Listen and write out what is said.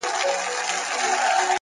پرمختګ د دوامداره هڅې نتیجه ده!